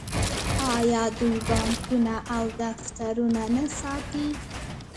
آیا دوی بانکونه او دفترونه نه ساتي؟